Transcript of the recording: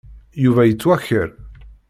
Yuba yettwaker.